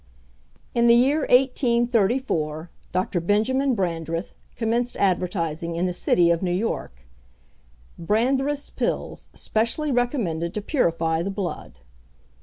In the year 1834, Dr. Benjamin Brandreth commenced advertising in the city of New York, "Brandreth's Pills specially recommended to purify the blood."